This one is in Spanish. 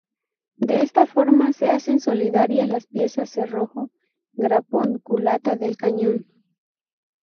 De esta forma se hacen solidarias las piezas cerrojo-grapón-culata del cañón.